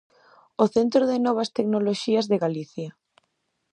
O Centro de Novas Tecnoloxías de Galicia.